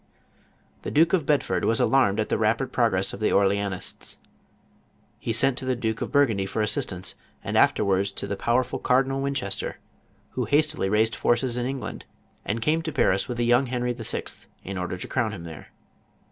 The Duke of Bedford was alarmed at the rapid pro gress of the Orleanists ; he sent to the Duke of Bur gundy for assistance, and afterwards to the powerful Cardinal Winchester, who hastily raised forces in Eng land, and came to Paris with the young Henry VI. in. order to crown him there.